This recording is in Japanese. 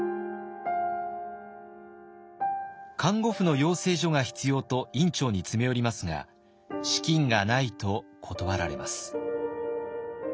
「看護婦の養成所が必要」と院長に詰め寄りますが「資金がない」と断られます。